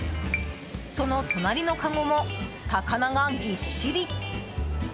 その隣のかごも、高菜がぎっしり。